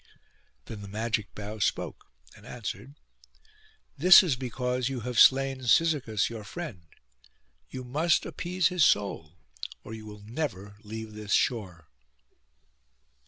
Then the magic bough spoke, and answered, 'This is because you have slain Cyzicus your friend. You must appease his soul, or you will never leave this shore.